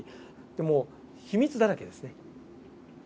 もう秘密だらけですね。